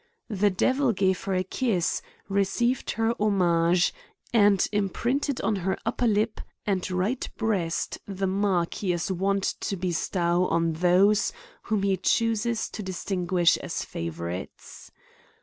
The Devil gave her a kiss, CRIMES AND PUNISHMENTS. 191 received her homage, and imprinted 6n her up per lip, and right breast, the mark he is wont to bestow on those whom he chooses to distinguish as favorites.